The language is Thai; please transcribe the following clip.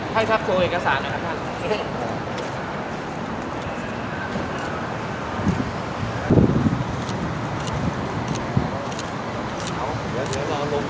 ให้ครับโทรเอกสารนะครับท่าน